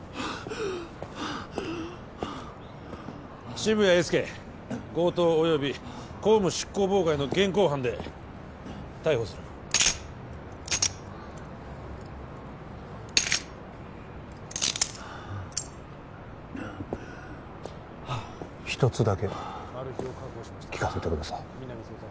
渋谷英輔強盗および公務執行妨害の現行犯で逮捕するはあはあ１つだけ聞かせてください